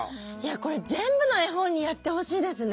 これ全部の絵本にやってほしいですね。